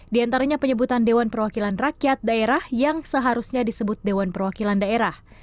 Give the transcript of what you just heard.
di antaranya penyebutan dewan perwakilan rakyat daerah yang seharusnya disebut dewan perwakilan daerah